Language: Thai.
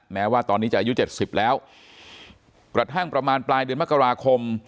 แม้ว่าตอนนี้จะอายุเจ็ดสิบแล้วกระทั่งประมาณปลายเดือนมกราคม